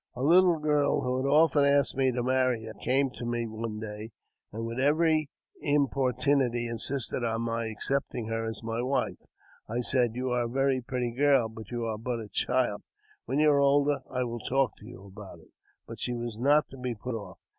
A little girl, who had often asked me to marry her, came to me one day, and with every importunity insisted on my ac cepting her as my wife. I said, " You are a very pretty girl, but you are but a child ; when you are older I will talk to you about it." JAMES P. BECKWOUBTH. 151 But she was not to be put off.